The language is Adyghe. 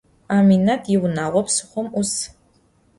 Aminet yiunağo psıxhom 'us.